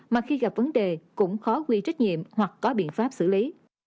mà khi gặp vấn đề cũng khó quy trách nhiệm hoặc có biện pháp xử lý